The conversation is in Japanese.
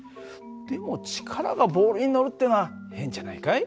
でも力がボールに乗るっていうのは変じゃないかい？